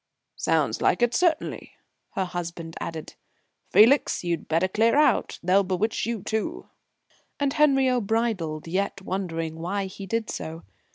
"Sounds like it, certainly," her husband added. "Felix, you'd better clear out. They'll bewitch you too." And Henriot bridled, yet wondering why he did so.